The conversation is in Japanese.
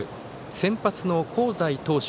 先発の香西投手